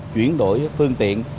chuyển đổi phương tiện